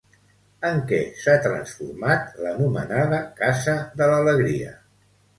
En què s'ha transformat l'anomenada casa de l'alegria?